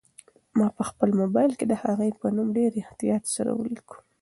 ما په خپل موبایل کې د هغې نوم په ډېر احتیاط سره ولیکه.